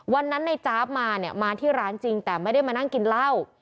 วันนั้นในจ๊าบมาเนี่ยมาที่ร้านจริงแต่ไม่ได้มานั่งกินเหล้า